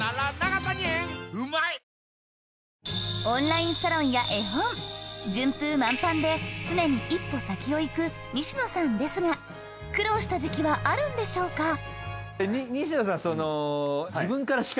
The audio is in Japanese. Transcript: オンラインサロンや絵本順風満帆で常に一歩先を行く西野さんですが苦労した時期はあるんでしょうか？